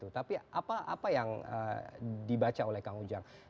tapi apa yang dibaca oleh kang ujang